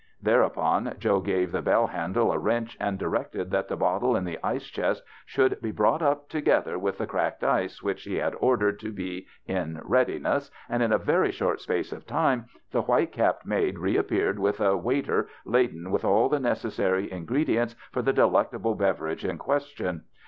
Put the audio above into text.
Thereupon Joe gave the bell handle a wrench, and directed that the bottle in the ice chest should be brought up together with the cracked ice which he had ordered to be in readiness, and in a very short space of time the white capped maid reappeared with a waiter laden with all the necessary ingredients for the delectable bev erage in question.